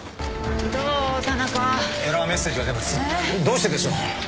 どうしてでしょう？